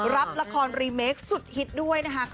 รับละครรีเมคสุดฮิตด้วยนะคะ